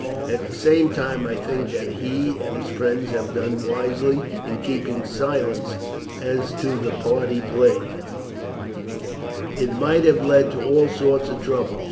At the same time, I think that he and his friends have done wisely in keeping silence as to the part he played it might have led to all sorts of trouble.